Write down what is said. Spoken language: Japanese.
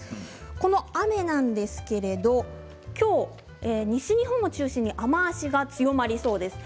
この雨なんですけれどきょう西日本を中心に雨足が強まりそうです。